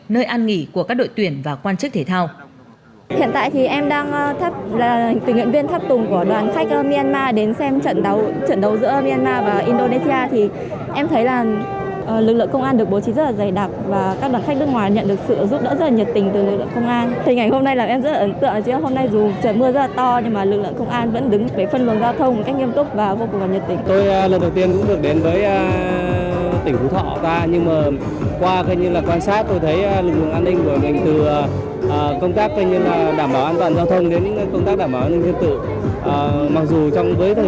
nơi an nghỉ của các đội tuyển và quan chức thể thao